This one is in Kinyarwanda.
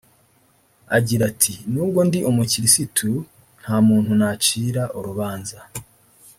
Agira ati “N’ubwo ndi umukiristu nta muntu nacira urubanza